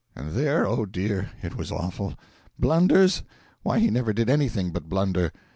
And there oh dear, it was awful. Blunders? why, he never did anything but blunder.